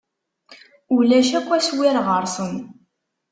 Ulac akk aswir ɣer-sen.